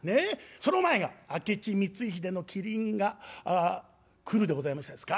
その前が明智光秀の「麒麟がくる」でございましたですか。